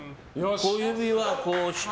小指はこうして。